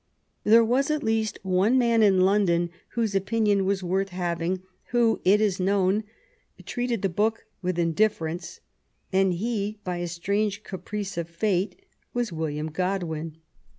There was at least one man in London whose opinion was worth having who, it is known, treated the book with iudifiference, and he, by a strange caprice of fate, was William Godwin.